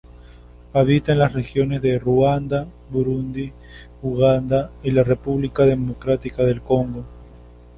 Habita en las regiones de Rwanda, Burundi, Uganda y la República Democrática del Congo.